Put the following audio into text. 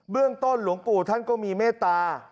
เรื่องต้นหลวงปู่ท่านก็มีเมตตา